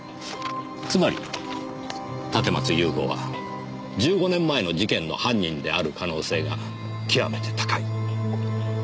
つまり立松雄吾は１５年前の事件の犯人である可能性が極めて高い。